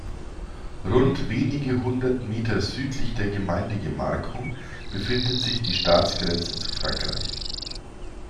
Rund wenige hundert Meter südlich der Gemeindegemarkung befindet sich die Staatsgrenze zu Frankreich.